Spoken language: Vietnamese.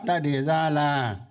đã đề ra là